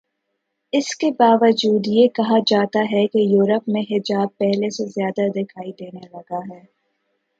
اس کے باوجود یہ کہا جاتاہے کہ یورپ میں حجاب پہلے سے زیادہ دکھائی دینے لگا ہے۔